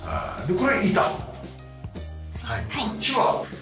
こっちは？